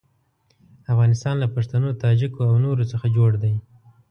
افغانستان له پښتنو، تاجکو او نورو څخه جوړ دی.